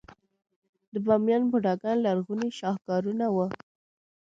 د بامیان بوداګان لرغوني شاهکارونه وو